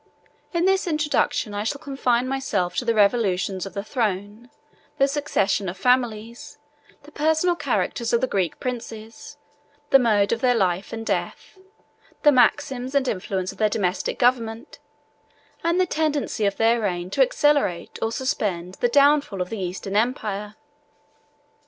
In this introduction, I shall confine myself to the revolutions of the throne, the succession of families, the personal characters of the Greek princes, the mode of their life and death, the maxims and influence of their domestic government, and the tendency of their reign to accelerate or suspend the downfall of the Eastern empire.